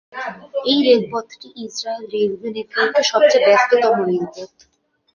এই রেলপথটি Israel railway নেটওয়ার্কের সবচেয়ে ব্যস্ততম রেলপথ।